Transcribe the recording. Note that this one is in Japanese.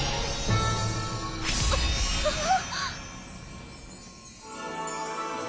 あっああっ！